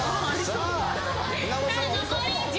さあ残り１０秒。